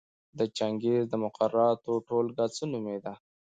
د چنګیز د مقرراتو ټولګه څه نومېده؟